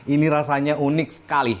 ini rasanya unik sekali